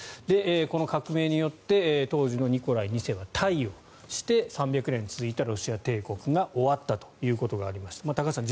この革命によって当時のニコライ２世は退位をして３００年続いたロシア帝国が終わったということがありました高橋さん